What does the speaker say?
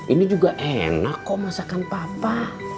ini juga enak kok masakan papa